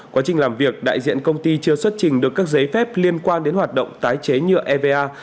quá trình làm việc đại diện công ty chưa xuất trình được các giấy phép liên quan đến hoạt động tái chế nhựa eva